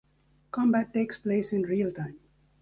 Combat takes place in real-time.